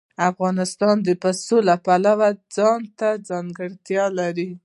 افغانستان د پسه د پلوه ځانته ځانګړتیا لري.